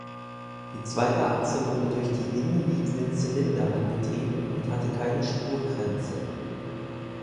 Die zweite Achse wurde durch die innen liegenden Zylinder angetrieben und hatte keine Spurkränze.